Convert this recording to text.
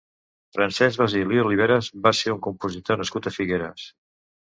Francesc Basil i Oliveras va ser un compositor nascut a Figueres.